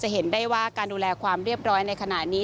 เห็นได้ว่าการดูแลความเรียบร้อยในขณะนี้